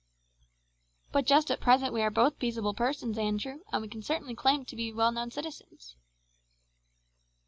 "But just at present we are both peaceable persons, Andrew, and we can certainly claim to be well known citizens."